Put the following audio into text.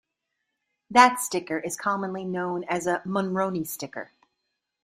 That sticker is commonly known as a "Monroney sticker".